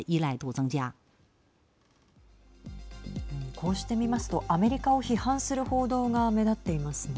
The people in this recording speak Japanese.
こうして見ますとアメリカを批判する報道が目立っていますね。